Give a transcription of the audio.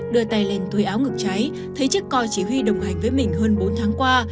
đưa tay lên thuê áo ngực cháy thấy chiếc coi chỉ huy đồng hành với mình hơn bốn tháng qua